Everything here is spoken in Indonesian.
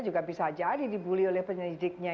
juga bisa jadi dibully oleh penyidiknya